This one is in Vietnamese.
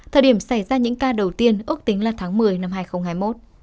thời điểm xảy ra những ca đầu tiên ước tính là tháng một mươi năm hai nghìn hai mươi một